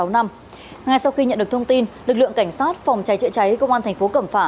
ngay sau khi nhận được thông tin lực lượng cảnh sát phòng cháy chữa cháy công an thành phố cẩm phả